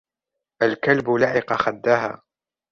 الكلب لعق خدها.